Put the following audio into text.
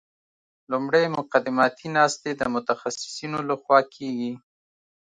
لومړی مقدماتي ناستې د متخصصینو لخوا کیږي